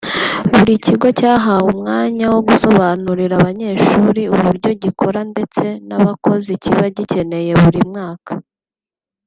Buri kigo cyahawe umwanya wo gusobanurira abanyeshuri uburyo gikora ndetse n’abakozi kiba gikeneye buri mwaka